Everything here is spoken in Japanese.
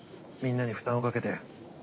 みんなに負担をかけて。